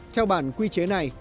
theo bản quy chế này